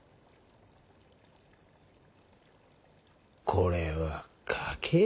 これは賭けよ。